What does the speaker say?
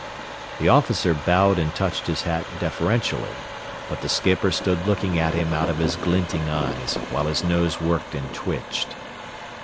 The officer bowed and touched his hat deferentially, but the skipper stood looking at him out of his glinting eyes, while his nose worked and twitched.